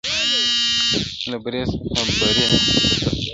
له بري څخه بري ته پاڅېدلی-